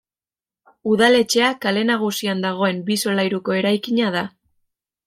Udaletxea kale nagusian dagoen bi solairuko eraikina da.